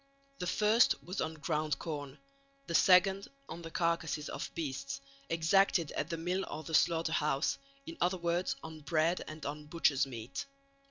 The first was on ground corn, the second on the carcases of beasts, exacted at the mill or the slaughter house in other words on bread and on butcher's meat.